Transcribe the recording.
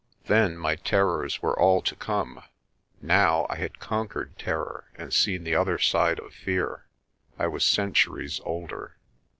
Then my terrors were all to come: now I had conquered terror and seen the other side of fear. I was centuries older.